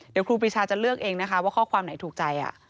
เดี๋ยวครูปีชาจะเลือกเองนะคะว่าข้อความไหนถูกใจ